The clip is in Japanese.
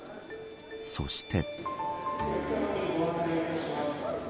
そして。